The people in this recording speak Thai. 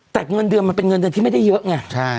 แต่เงินเดือนมันเป็นเงินเดือนที่ไม่ได้เยอะไง